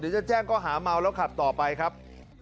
จะแจ้งก็หาเมาแล้วขับต่อไปครับ